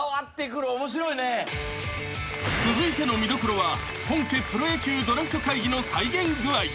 ［続いての見どころは本家プロ野球ドラフト会議の再現具合］